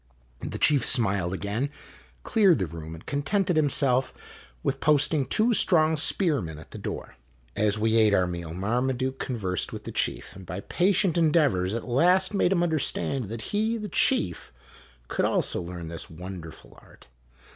O The chief smiled again, cleared the room, and contented himself with posting two strong spearmen at the door. As we ate our meal Marmaduke conversed with the chief, and by patient endeavors at last made him understand that he, the chief, could also learn this wonderful art.